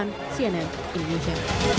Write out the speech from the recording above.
di video selanjutnya